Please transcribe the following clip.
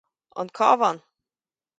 An Cabhán